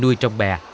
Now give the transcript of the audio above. nuôi trong bè